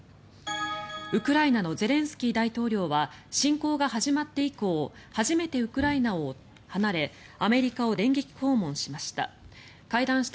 ウクライナのゼレンスキー大統領は侵攻が始まって以降初めてウクライナを離れアメリカを電撃訪問しました。